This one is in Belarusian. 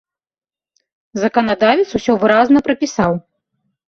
Заканадавец усё выразна прапісаў.